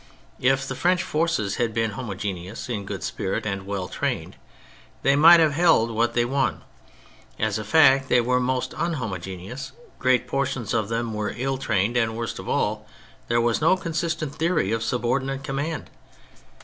If the French forces had been homogeneous, in good spirit, and well trained, they might have held what they won ; as a fact, they were most un homogeneous, great portions of them were ill trained, and, worst of all, there was no consistent theory of subordmate conunand.